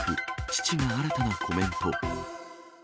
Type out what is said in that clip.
父が新たなコメント。